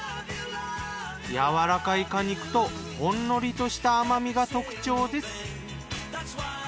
やわらかい果肉とほんのりとした甘みが特徴です。